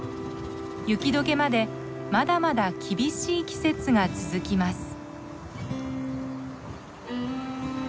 雪解けまでまだまだ厳しい季節が続きます。